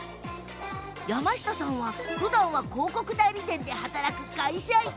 山下さんは、ふだんは広告代理店で働く会社員。